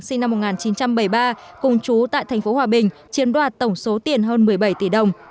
sinh năm một nghìn chín trăm bảy mươi ba cùng trú tại thành phố hòa bình chiếm đoạt tổng số tiền hơn một mươi bảy tỷ đồng